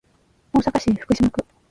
大阪市福島区